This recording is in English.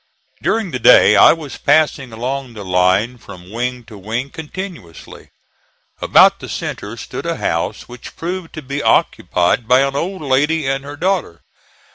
During the day I was passing along the line from wing to wing continuously. About the centre stood a house which proved to be occupied by an old lady and her daughter.